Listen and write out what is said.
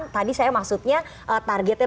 tadi saya maksudnya targetnya